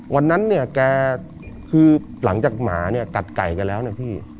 วันนั้นแกคือหลังจากหมากัดไก่แกแล้วนะพี่